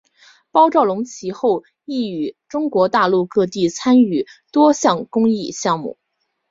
包兆龙其后亦于中国大陆各地参与多项公益项目。